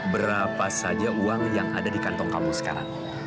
berapa saja uang yang ada di kantong kamu sekarang